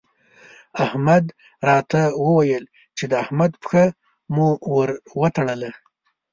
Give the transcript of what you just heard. احمد راته وويل چې د احمد پښه مو ور وتړله.